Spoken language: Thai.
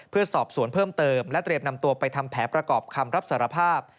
เพื่อสอบสวนเพิ่มเติมและเตรียมนำตัวไปทำแผนประกอบคำรับสารภาพ